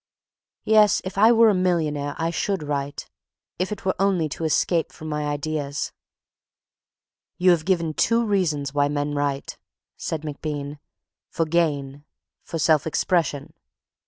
Yes; if I were a millionaire I should write, if it were only to escape from my ideas." "You have given two reasons why men write," said MacBean: "for gain, for self expression.